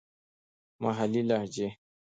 محلې لهجې.